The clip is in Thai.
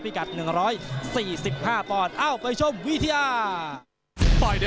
พี่กัด๑๔๕ปอนด์